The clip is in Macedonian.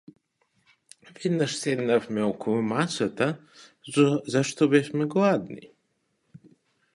Веднаш седнавме околу масата зашто бевме гладни.